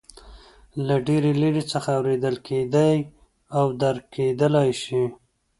له ډېرې لرې څخه اورېدل کېدای او درک کېدلای شي.